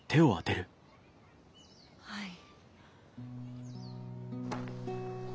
はい。